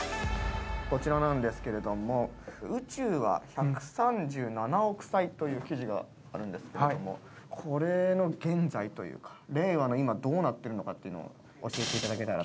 こちらなんですけれども「宇宙は１３７億歳」という記事があるんですけれどもこれの現在というか令和の今どうなっているのかを教えていただけたらと。